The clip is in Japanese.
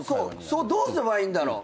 そうどうすればいいんだろう？